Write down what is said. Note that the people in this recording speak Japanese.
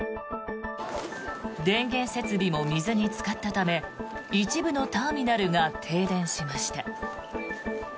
電源設備も水につかったため一部のターミナルが停電しました。